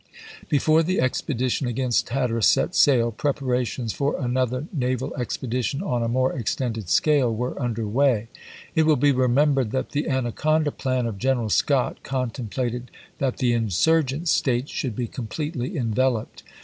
Before the expedition against Hatteras set sail, preparations for another naval expedition on a more extended scale were under way. It will be remembered that the "Anaconda" plan of General Scott contemplated that the insurgent States should be completely enveloped.